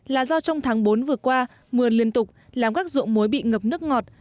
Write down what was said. là do trong tháng bốn vừa qua mưa liên tục làm các dụng mối bị ngập nước ngọt